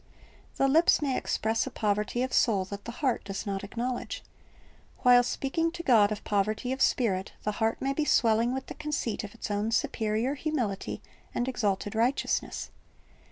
"' The lips may express a poverty of soul that the heart does not acknowledge. While speaking to God of poverty of spirit, the heart may be swelling with the conceit of its own superior humility and exalted righteousness.